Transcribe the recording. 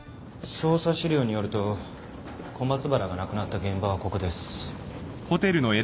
捜査資料によると小松原が亡くなった現場はここです。